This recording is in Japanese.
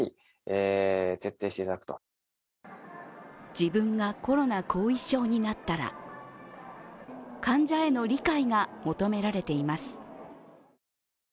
自分がコロナ後遺症になったら患者への理解が求められています。